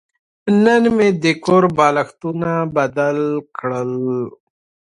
نن مې د کور بالښتونه بدله کړل.